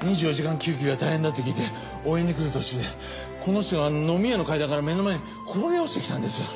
２４時間救急が大変だと聞いて応援に来る途中でこの人が飲み屋の階段から目の前に転げ落ちてきたんですよ。